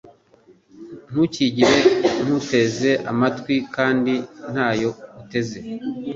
Ntukigire nk'uteze amatwi kandi ntayo uteze